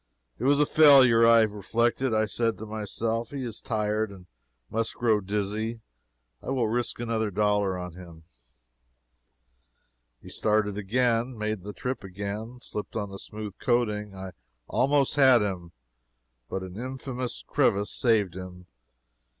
It was a failure. I reflected. I said to myself, he is tired, and must grow dizzy. I will risk another dollar on him. He started again. Made the trip again. Slipped on the smooth coating I almost had him. But an infamous crevice saved him.